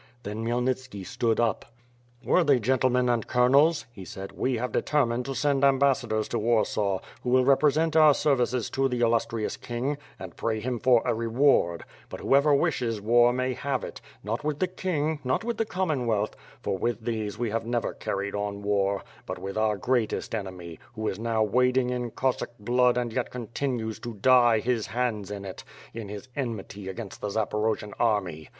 Then Khmyelnitski stood up: "Worthy gentlemen and colonels," he said, "we have de tennined to send ambassadors to Warsaw, who will repre sent our services to the illustrious King, and pray him for a reward; but whoever wishes war may have it — not with the king, not with the Commonwealth, for with these we have never carried on war, but with our greatest enemy, who is now wading in Cossack blood and yet continues to dye his hands in it, in his enmity against the Zaporojian army.